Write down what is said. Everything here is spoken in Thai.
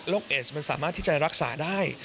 เอสมันสามารถที่จะรักษาได้